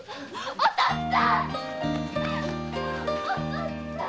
お父っつぁん。